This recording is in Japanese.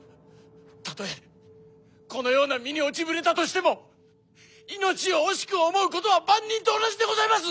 たとえこのような身に落ちぶれたとしても命を惜しく思うことは万人と同じでございます！